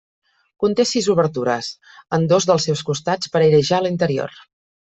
Conté sis obertures en dos dels seus costats per airejar l'interior.